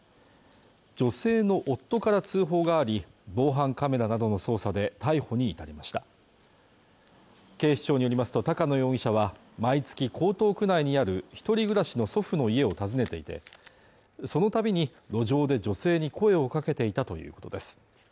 女性の夫から通報があり防犯カメラなどの捜査で逮捕に至りました警視庁によりますと高野容疑者は毎月江東区内にある一人暮らしの祖父の家を訪ねていてそのたびに路上で女性に声をかけていたということです